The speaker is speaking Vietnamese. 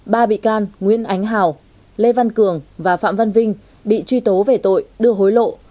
ba bị can nguyễn ánh hào lê văn cường và phạm văn vinh bị truy tố về tội đưa hối lộ